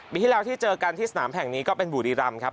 ที่แล้วที่เจอกันที่สนามแห่งนี้ก็เป็นบุรีรำครับ